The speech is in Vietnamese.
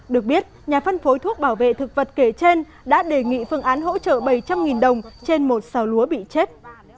được biết nhà phân phối thuốc bảo vệ thực vật kể trên đã đề nghị phương án hỗ trợ bảy trăm linh đồng trên một xào lúa bị chết